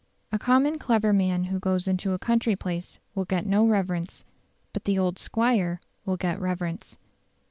A common clever man who goes into a country place will get no reverence; but the "old squire" will get reverence.